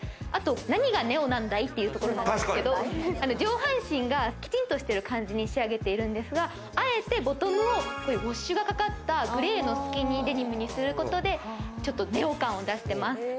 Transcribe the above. あと何がＮＥＯなんだい？というところなんですけど、上半身がきちんとしている感じに仕上げているんですが、あえてボトムをウォッシュがかかったグレーのスキニーデニムにすることで、ちょっとＮＥＯ感を出しています。